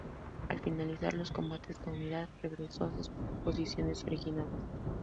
Al finalizar los combates la unidad regresó a sus posiciones originales.